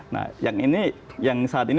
nah yang ini yang saat ini